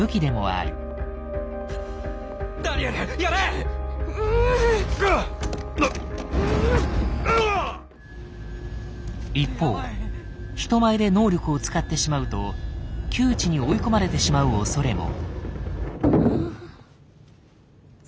あぁっ！一方人前で能力を使ってしまうと窮地に追い込まれてしまうおそれも。